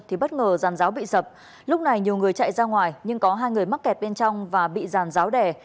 thì bất ngờ ràn ráo bị sập lúc này nhiều người chạy ra ngoài nhưng có hai người mắc kẹt bên trong và bị ràn ráo đẻ